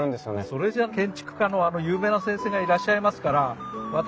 それじゃあ建築家のあの有名な先生がいらっしゃいますから私